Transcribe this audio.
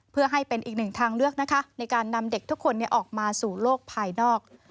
เพื่อให้เป็นอีกหนึ่งทางเลือกนะคะในการนำเด็กทุกคนออกมาสู่โลกภายนอก